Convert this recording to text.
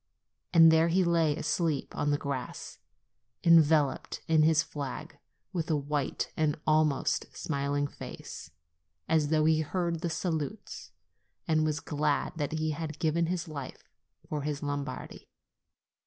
And there he lay asleep on the grass, enveloped in his flag, with a white and almost smiling face, as though he heard the salutes and was glad that he had given his life for his Lombardy.